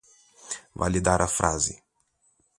validar a frase